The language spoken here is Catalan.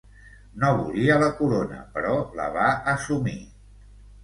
No volia la corona però la va assumir.